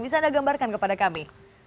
bisa anda gambarkan kepada kami